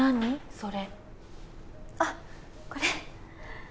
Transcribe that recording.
それあっこれ？